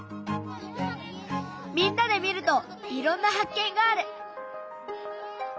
みんなで見るといろんな発見がある！